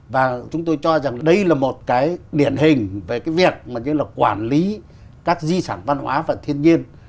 và chúng tôi cho rằng đây là một cái điển hình về cái việc mà như là quản lý các di sản văn hóa và thiên nhiên